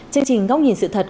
chương trình góc nhìn sự thật